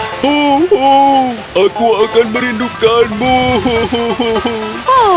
hohoh aku akan merindukanmu hohohoh